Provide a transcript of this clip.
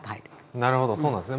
なるほどそうなんですね。